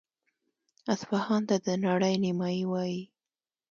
اصفهان ته د نړۍ نیمایي وايي.